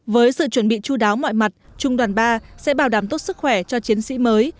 với sự chuẩn bị chú đáo mọi mặt trung đoàn ba sẽ bảo đảm tốt sức khỏe cho chiến sĩ mới